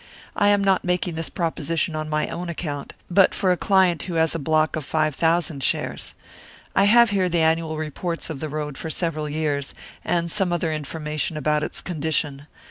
I am not making this proposition on my own account, but for a client who has a block of five thousand shares. I have here the annual reports of the road for several years, and some other information about its condition.